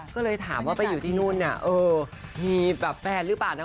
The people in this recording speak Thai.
ก็เลยถามว่าไปอยู่ที่นู่นเนี่ยเออมีแบบแฟนหรือเปล่านะ